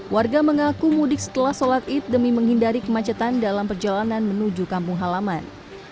warga mengaku mudik setelah sholat id demi menghindari kemacetan dalam perjalanan menuju kampung halaman